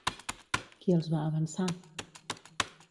Qui els va avançar?